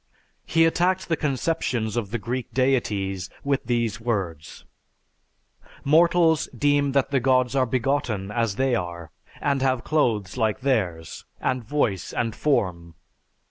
He attacked the conceptions of the Greek deities with these words, "Mortals deem that the gods are begotten as they are, and have clothes like theirs, and voice and form